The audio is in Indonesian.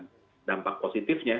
dan dampak positifnya